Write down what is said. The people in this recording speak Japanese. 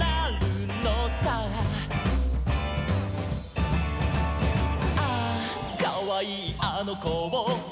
「ああかわいいあのこを」